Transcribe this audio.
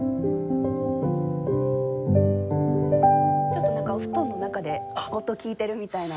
ちょっとなんかお布団の中で音を聴いてるみたいな。